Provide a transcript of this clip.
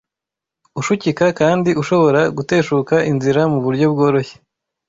ushukika kandi ushobora guteshuka inzira mu buryo bworoshye